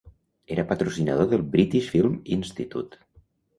Era patrocinador del British Film Institute.